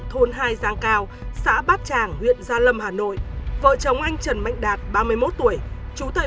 thôn hai giang cao xã bát tràng huyện gia lâm hà nội vợ chồng anh trần mạnh đạt ba mươi một tuổi trú tại